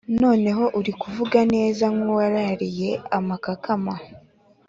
Noneho uri kuvuga neza nkuwa rariye ama kakama